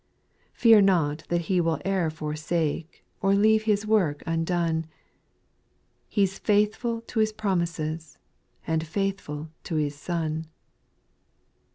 4. Fear not that He will e'er forsake, Or leave His work undone ; He 's faithful to His promises, And faithful to His Son.